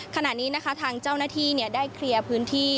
ขณะนี้นะคะทางเจ้าหน้าที่ได้เคลียร์พื้นที่